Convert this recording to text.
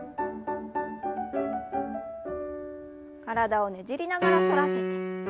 体をねじりながら反らせて。